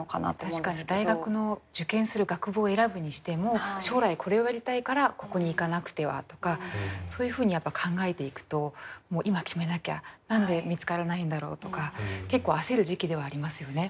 確かに大学の受験する学部を選ぶにしても将来これをやりたいからここに行かなくてはとかそういうふうに考えていくともう今決めなきゃ何で見つからないんだろうとか結構焦る時期ではありますよね。